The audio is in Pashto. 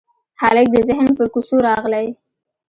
هلک د ذهن پر کوڅو راغلی